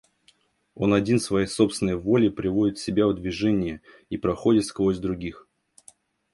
Он один своей собственной волей приводит себя в движение и проходит сквозь других.